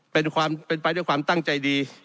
เป็นไปด้วยความตั้งใจดี